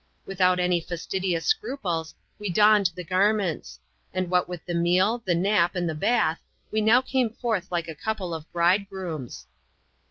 Without any fastidious scruples, we donned the garments ; and what with the meal, the nap, and the bath, we now came forth like a couple of bridegrooms.